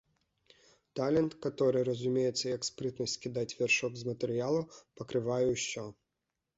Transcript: Талент, каторы разумеецца як спрытнасць скідаць вяршок з матэрыялу, пакрывае ўсё.